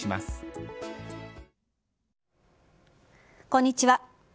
こんにちは。